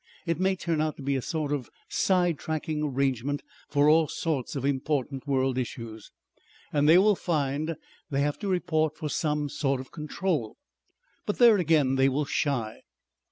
It may turn out to be a sort of side tracking arrangement for all sorts of important world issues. And they will find they have to report for some sort of control. But there again they will shy.